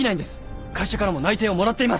会社からも内定をもらっています。